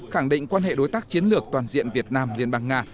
khẳng định quan hệ đối tác chiến lược toàn diện việt nam liên bang nga